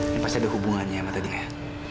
ini pasti ada hubungannya sama tadinya